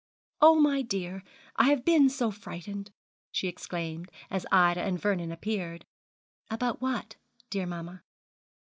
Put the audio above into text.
'Oh, my dear, I have been so frightened,' she exclaimed, as Ida and Vernon appeared. 'About what, dear mamma?'